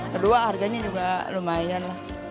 kedua harganya juga lumayan